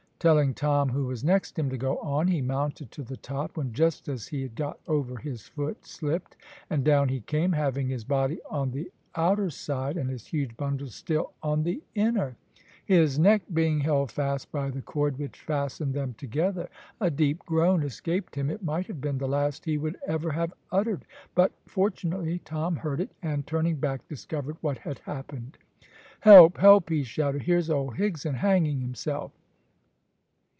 Telling Tom, who was next him, to go on, he mounted to the top, when just as he had got over his foot slipped, and down he came, having his body on the outer side and his huge bundles still on the inner, his neck being held fast by the cord which fastened them together. A deep groan escaped him. It might have been the last he would ever have uttered, but fortunately Tom heard it, and turning back discovered what had happened. "Help! help!" he shouted; "here's old Higson hanging himself."